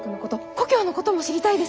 故郷のことも知りたいです！